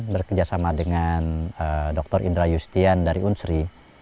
berkerjasama dengan dr indra justian dari unsri